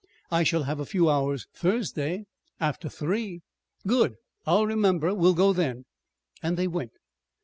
"I shall have a few hours Thursday after three." "Good! I'll remember. We'll go then." And they went.